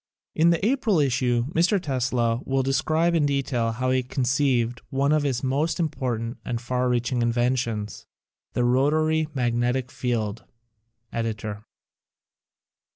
(In the April issue Mr. Tesla will de scribe in detail how he conceived one of his most important and far reaching inventions : "The Rotary Magnetic Field." — Editor.)